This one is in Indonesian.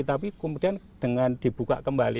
tapi kemudian dengan dibuka kembali